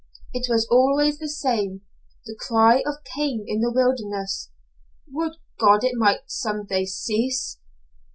It was always the same the cry of Cain in the wilderness. Would God it might some day cease!